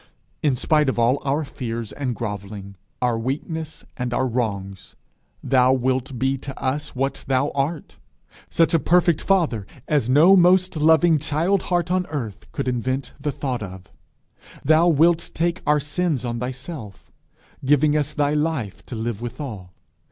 In spite of all our fears and grovelling, our weakness, and our wrongs, thou wilt be to us what thou art such a perfect Father as no most loving child heart on earth could invent the thought of! Thou wilt take our sins on thyself, giving us thy life to live withal.